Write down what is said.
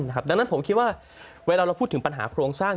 ดังนั้นผมคิดว่าเวลาเราพูดถึงปัญหาโครงสร้าง